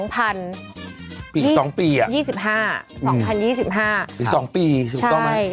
๒ปีถูกต้องไหม